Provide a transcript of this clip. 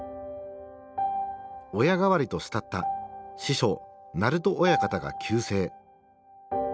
親代わりと慕った師匠鳴戸親方が急逝。